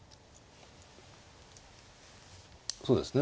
そうですね